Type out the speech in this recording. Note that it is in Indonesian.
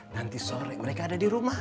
nanti sore mereka ada di rumah